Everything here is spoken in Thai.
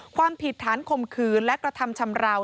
ความผิดฐานข่มขืนและกระทำชำราว